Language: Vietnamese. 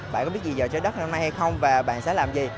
bạn có biết gì giờ trái đất năm nay hay không và bạn sẽ làm gì